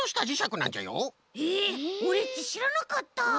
へえオレっちしらなかった。